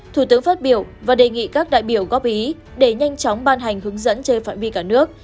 thủ tướng phát biểu và đề nghị các đại biểu góp ý để nhanh chóng ban hành hướng dẫn trên phạm vi cả nước